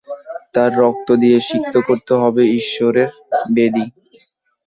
তার রক্ত দিয়ে সিক্ত করতে হবে ঈশ্বরের বেদী!